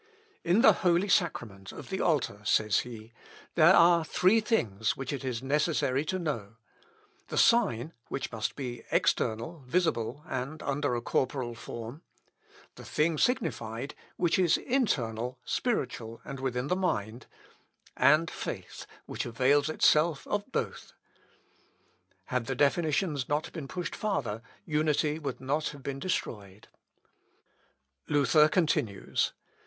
"In the holy sacrament of the altar," says he, "there are three things which it is necessary to know; the sign, which must be external, visible, and under a corporal form; the thing signified, which is internal, spiritual, and within the mind; and faith, which avails itself of both." Had the definitions not been pushed farther, unity would not have been destroyed. L. Op. (L.) xvii, p. 272. Luther continues.